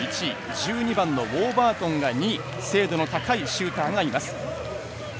１２番のウォーバートンが２位精度の高いシューターがいます。